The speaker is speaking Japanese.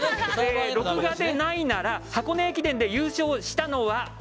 録画でないなら箱根駅伝で優勝したのは？